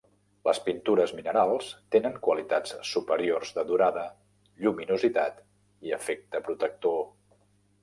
Les pintures minerals tenen qualitats superiors de durada, lluminositat i efecte protector.